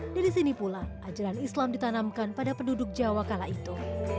dari sini pula ajaran islam ditanamkan pada penduduk jawa kala itu